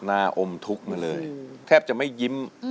อมทุกข์มาเลยแทบจะไม่ยิ้ม